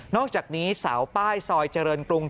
อกจากนี้เสาป้ายซอยเจริญกรุง